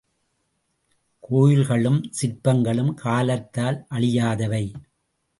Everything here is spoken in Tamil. கோயில்களும், சிற்பங்களும் காலத்தால் அழியாதவை.